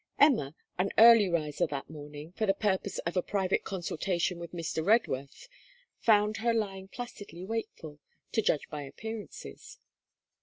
Emma, an early riser that morning, for the purpose of a private consultation with Mr. Redworth, found her lying placidly wakeful, to judge by appearances.